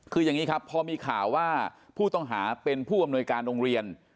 คืออย่างนี้ครับพอมีข่าวว่าผู้ต้องหาเป็นผู้อำนวยการโรงเรียน